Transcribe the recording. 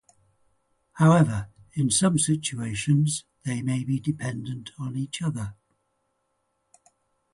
However, in some situations they may be dependent on each other.